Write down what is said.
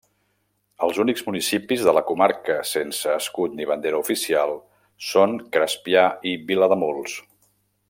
Els únics municipis de la comarca sense escut ni bandera oficial són Crespià i Vilademuls.